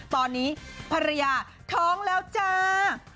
ตอนนี้ภรรยาท้องแล้วจ้า